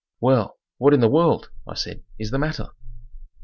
"Well, what in the world," I said, "is the matter?"